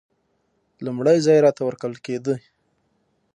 لومړی ځای راته ورکول کېدی.